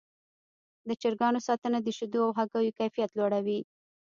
د چرګانو ساتنه د شیدو او هګیو کیفیت لوړوي.